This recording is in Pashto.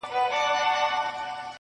زه شاعر سړی یم بې الفاظو نور څه نه لرم,